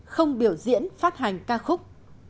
không biểu diễn phát hành ca khúc